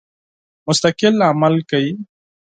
مستقل عمل کوي.